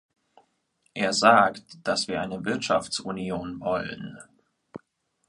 Er sagt, dass wir eine Wirtschaftsunion wollen.